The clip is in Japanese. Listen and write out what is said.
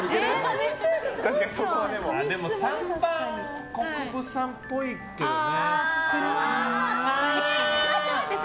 ３番、國分さんっぽいけどね。